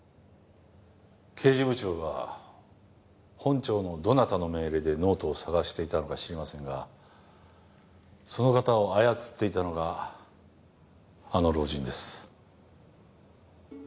刑事部長が本庁のどなたの命令でノートを捜していたのか知りませんがその方を操っていたのがあの老人です。